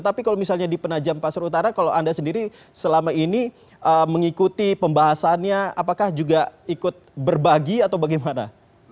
tapi kalau misalnya di penajam pasir utara kalau anda sendiri selama ini mengikuti pembahasannya apakah juga ikut berbagi atau bagaimana